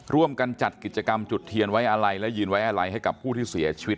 ร่วมกันจัดกิจกรรมจุดเทียนไว้อาลัยและยืนไว้อะไรให้กับผู้ที่เสียชีวิต